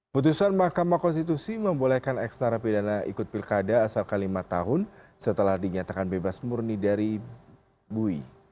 putusan mahkamah konstitusi membolehkan eks narapidana ikut pilkada asalkan lima tahun setelah dinyatakan bebas murni dari bui